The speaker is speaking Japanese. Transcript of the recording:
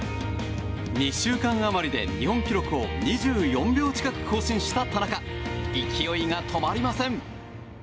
２週間余りで日本記録をおよそ２４秒近く更新した田中勢いが止まりません。